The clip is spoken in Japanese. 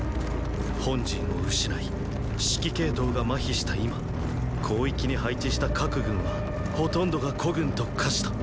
本陣を失い指揮系統が麻痺した今広域に配置した各軍はほとんどが孤軍と化した。